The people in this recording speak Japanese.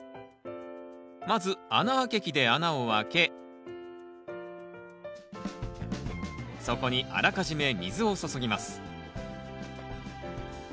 まず穴あけ器で穴をあけそこにあらかじめ水を注ぎます